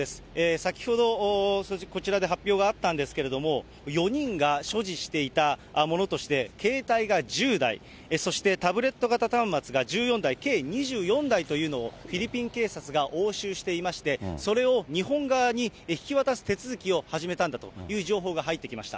先ほど、こちらで発表があったんですけれども、４人が所持していたものとして、携帯が１０台、そしてタブレット型端末が１４台、計２４台というのを、フィリピン警察が押収していまして、それを日本側に引き渡す手続きを始めたんだという情報が入ってきました。